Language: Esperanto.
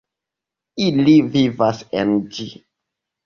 Ili vivas en ĝi.